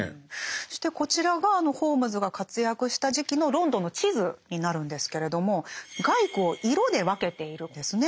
そしてこちらがホームズが活躍した時期のロンドンの地図になるんですけれども街区を色で分けているんですね。